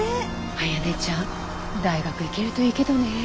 あやねちゃん大学行けるといいけどねえ。